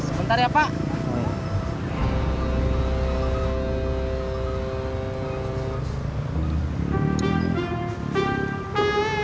bentar ya pak